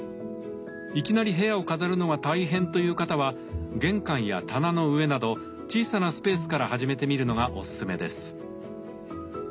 いきなり部屋を飾るのは大変という方は玄関や棚の上など小さなスペースから初めてみるのがおすすめです。